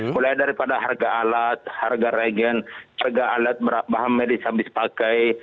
mulai daripada harga alat harga regen harga alat bahan medis habis pakai